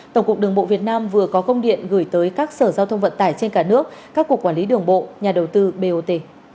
tổng cục đường bộ việt nam vừa có công điện gửi tới các sở giao thông vận tải trên cả nước các cục quản lý đường bộ nhà đầu tư bot